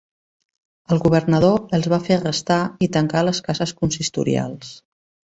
El governador els va fer arrestar i tancar a les cases consistorials.